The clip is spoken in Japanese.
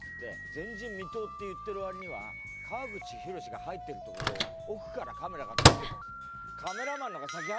前人未踏って言ってる割には川口浩が入ってるところを奥からカメラが撮ってるんです。